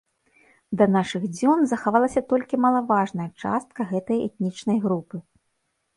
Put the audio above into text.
Да нашых дзён захавалася толькі малаважная частка гэтай этнічнай групы.